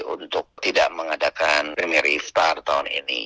untuk tidak mengadakan premier iftar tahun ini